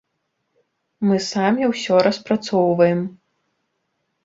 Мы самі ўсё распрацоўваем.